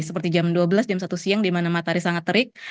seperti jam dua belas jam satu siang di mana matahari sangat terik